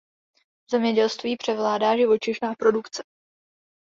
V zemědělství převládá živočišná produkce.